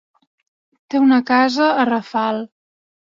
Té una casa a Rafal.